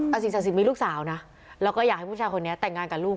สิ่งศักดิ์สิทธิ์มีลูกสาวนะแล้วก็อยากให้ผู้ชายคนนี้แต่งงานกับลูก